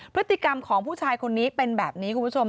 พฤติกรรมของผู้ชายคนนี้เป็นแบบนี้คุณผู้ชม